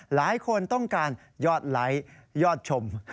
หลายคนต้องการยอดไลค์ยอดชม